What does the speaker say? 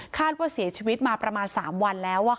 ว่าเสียชีวิตมาประมาณ๓วันแล้ว